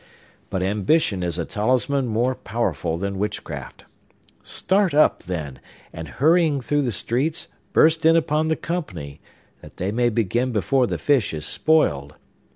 But ambition is a talisman more powerful than witchcraft. Start up, then, and, hurrying through the streets, burst in upon the company, that they may begin before the fish is spoiled!